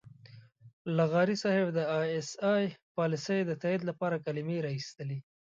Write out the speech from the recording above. لغاري صاحب د اى ايس اى پالیسۍ د تائید لپاره کلمې را اېستلې.